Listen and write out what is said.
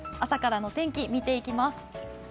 朝からの天気見ていきます。